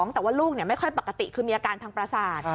แต่ว่าลูกไม่ค่อยปกติคือมีอาการทางประสาท